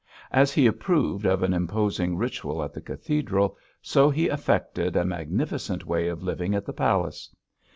As he approved of an imposing ritual at the cathedral, so he affected a magnificent way of living at the palace.